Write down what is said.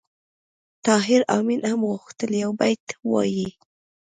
طاهر آمین هم غوښتل یو بیت ووایي